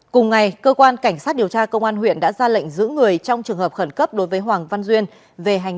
cùng ngày cơ quan cảnh sát điều tra công an huyện đã ra lệnh giữ người trong trường hợp khẩn cấp đối với hoàng văn duyên về hành